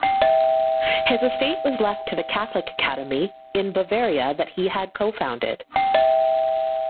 His estate was left to the Catholic Academy in Bavaria that he had co-founded.